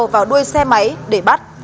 vào đuôi xe máy để bắt